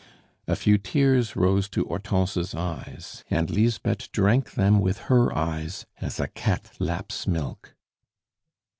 A few tears rose to Hortense's eyes, and Lisbeth drank them with her eyes as a cat laps milk.